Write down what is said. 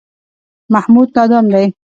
محمود نادان دی.